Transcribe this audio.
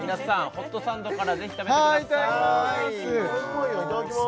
ホットサンドからぜひ食べてくださいいただきまー